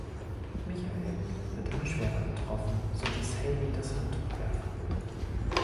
Michael wird immer schwerer getroffen, so dass Haley das Handtuch werfen will.